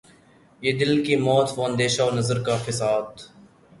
یہ دل کی موت وہ اندیشہ و نظر کا فساد